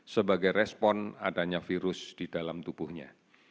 sebagai respon adanya virus di dalam tubuhnya